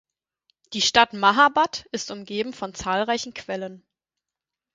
Die Stadt Mahabad ist umgeben von zahlreichen Quellen.